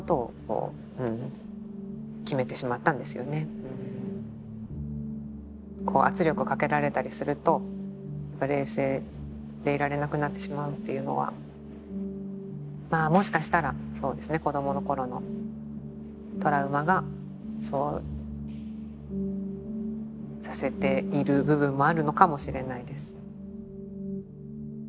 ただなかなかこう圧力をかけられたりすると冷静でいられなくなってしまうっていうのはまあもしかしたらそうですね子供の頃のトラウマがそうさせている部分もあるのかもしれないです。